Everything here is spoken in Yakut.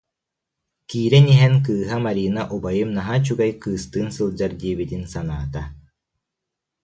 Киирэн иһэн кыыһа Марина убайым наһаа үчүгэй кыыстыын сылдьар диэбитин санаата